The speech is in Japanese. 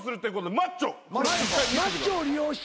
マッチョを利用して？